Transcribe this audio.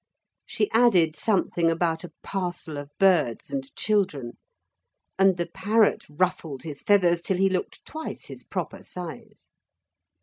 She added something about a parcel of birds and children. And the parrot ruffled his feathers till he looked twice his proper size.